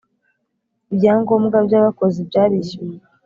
Ibyangombwa by abakozi byarishyuwe